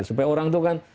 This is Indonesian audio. supaya orang itu kan